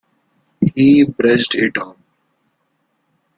He brushed it off.